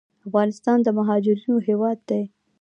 افغانستان د مهاجرینو هیواد دی